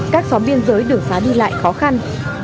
các xóm biên giới đường xá đi lại khó khăn